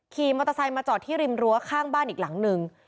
ขี่มอเตอร์ไซค์มาจอดที่ริมรั้วข้างบ้านอีกหลังหนึ่ง